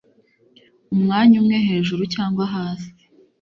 Umwanya umwe hejuru cyangwa hasi